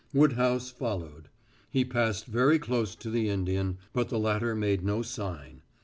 Woodhouse followed. He passed very close to the Indian, but the latter made no sign.